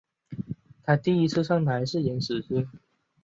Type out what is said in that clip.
她第一次上台是演死尸。